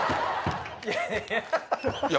いやいや。